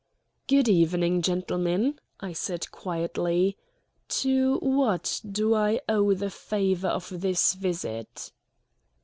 "Good evening, gentlemen," I said quietly. "To what do I owe the favor of this visit?"